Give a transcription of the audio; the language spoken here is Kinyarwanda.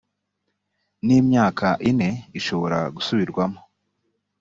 n imyaka ine ishobora gusubirwamo